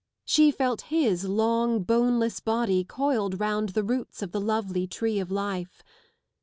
She felt his long boneless body coiled round the roots of the lovely tree of life.